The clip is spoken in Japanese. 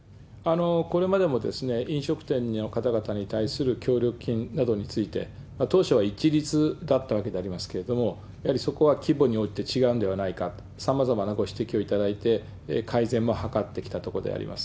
これまでも飲食店の方々に対する協力金などについて、当初は一律だったわけでありますけれども、やはりそこは規模に応じて違うんではないかと、さまざまなご指摘をいただいて、改善も図ってきたところであります。